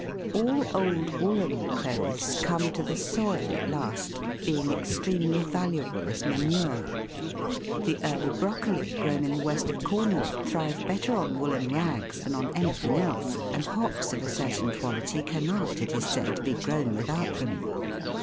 All old woollen clothes come to the soil at last, being extremely valuable as manure. The early broccoli grown in the west of Cornwall thrive better on woollen rags than on anything else ; and hops of a certain quality cannot, it 280 THE WORLD'S LUMBER ROOM. is said, be grown without them.